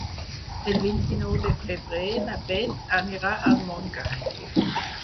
El vint-i-nou de febrer na Beth anirà a Montgai.